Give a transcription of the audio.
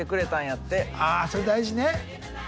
それ大事ね。